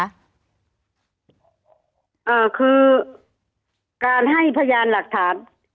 อ่าคือการให้พยานหลักฐาน